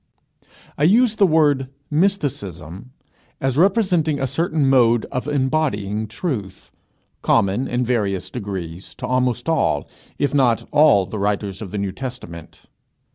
I use the word mysticism as representing a certain mode of embodying truth, common, in various degrees, to almost all, if not all, the writers of the New Testament.